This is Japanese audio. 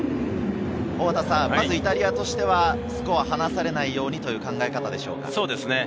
イタリアとしては、スコアを離されないようにという考え方でしょうか？